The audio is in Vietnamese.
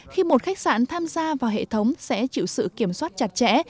khi một khách sạn tham gia vào hệ thống sẽ chịu sự kiểm soát chặt chẽ